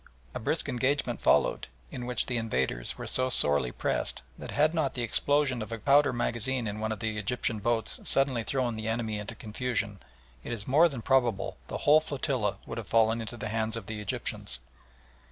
A brisk engagement followed, in which the invaders were so sorely pressed that had not the explosion of a powder magazine on one of the Egyptian boats suddenly thrown the enemy into confusion, it is more than probable the whole flotilla would have fallen into the hands of the Egyptians.